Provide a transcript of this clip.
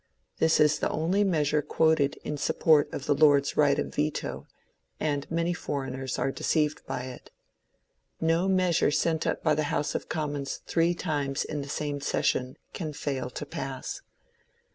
This is the only measure quoted in support of the Lords' right of veto, and many foreigners are deceived by it. No measure sent up by the House of Com mons three times in the same session can fail to pass.